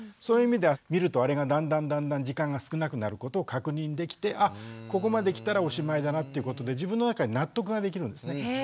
そういう意味では見るとあれがだんだんだんだん時間が少なくなることを確認できてあっここまできたらおしまいだなっていうことで自分の中に納得ができるんですね。